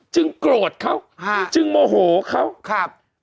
จึงโรธเขาจึงโมโหเขา